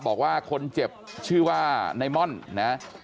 บอกว่าคนเจ็บชื่อว่าไนมอนนะครับ